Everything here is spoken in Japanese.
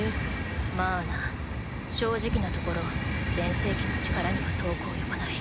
まぁな正直なところ全盛期の力には遠く及ばない。